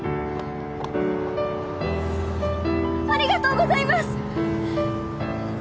ありがとうございます！